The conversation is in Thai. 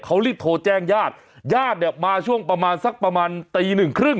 เขารีบโทรแจ้งญาติญาติเนี่ยมาช่วงประมาณสักประมาณตีหนึ่งครึ่ง